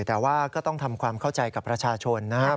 แต่ว่าก็ต้องทำความเข้าใจกับประชาชนนะครับ